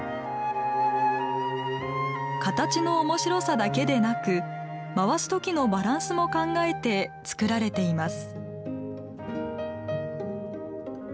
形の面白さだけでなく回すときのバランスも考えて作られています。